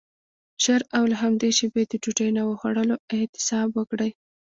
ژر او له همدې شیبې د ډوډۍ نه خوړلو اعتصاب وکړئ.